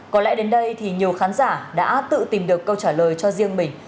có lẽ đến đây thì nhiều khán giả đã tự tìm được câu trả lời cho riêng mình